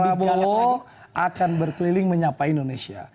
pak prabowo akan berkeliling menyapa indonesia